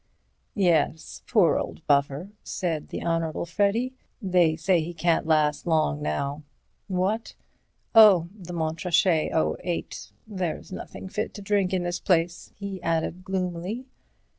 "Yes, poor old buffer," said the Honourable Freddy; "they say he can't last long now. What? Oh! the Montrachet '08. There's nothing fit to drink in this place," he added gloomily.